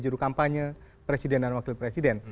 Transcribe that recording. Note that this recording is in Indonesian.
juru kampanye presiden dan wakil presiden